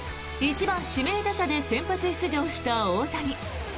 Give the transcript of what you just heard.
１番指名打者で先発出場した大谷。